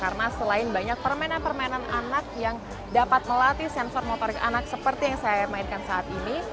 karena selain banyak permainan permainan anak yang dapat melatih sensor motorik anak seperti yang saya mainkan saat ini